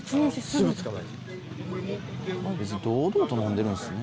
じゃ堂々と飲んでるんすね。